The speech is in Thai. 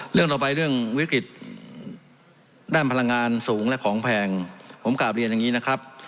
เรื่องต่อไปเรื่องวิกฤตด้านพลังงานสูงและของแพงผมกลับเรียนอย่างนี้นะครับ